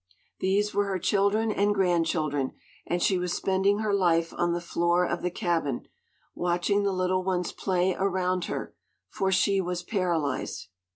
These were her children and grandchildren, and she was spending her life on the floor of the cabin, watching the little ones play around her, for she was paralyzed.